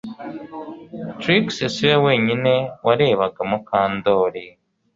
Trix si we wenyine warebaga Mukandoli